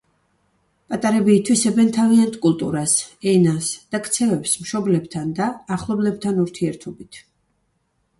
პატარები ითვისებენ თავიანთ კულტურას, ენას და ქცევებს მშობლებთან და ახლობლებთან ურთიერთობით.